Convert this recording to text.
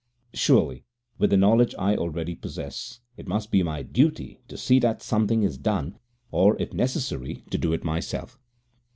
Surely with the knowledge I already possess it must be my duty to see that something is done, or if necessary to do it myself.